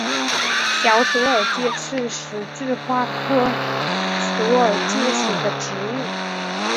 小鼠耳芥是十字花科鼠耳芥属的植物。